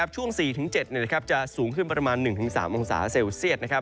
ช่วง๔๗จะสูงขึ้นประมาณ๑๓องศาเซลเซียต